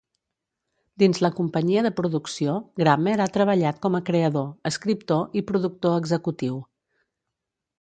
Dins la companyia de producció, Grammer ha treballat com a creador, escriptor i productor executiu.